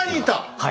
はい。